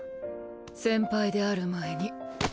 先輩である前に。